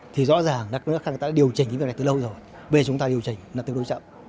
thì rõ ràng là các nước khác đã điều chỉnh những việc này từ lâu rồi